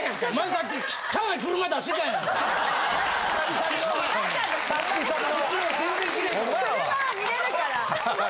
さびの・車は見れるから。